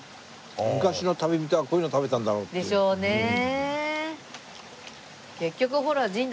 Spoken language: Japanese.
昔の旅人はこういうの食べたんだろうっていう。でしょうねえ。